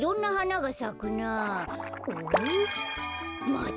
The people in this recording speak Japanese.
また。